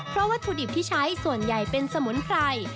เพราะวัตถุดิบที่ใช้ส่วนใหญ่เป็นสมุนไพร